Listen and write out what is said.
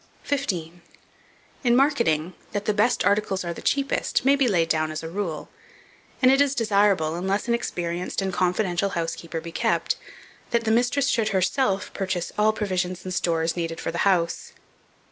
15. IN MARKETING, THAT THE BEST ARTICLES ARE THE CHEAPEST, may be laid down as a rule; and it is desirable, unless an experienced and confidential housekeeper be kept, that the mistress should herself purchase all provisions and stores needed for the house.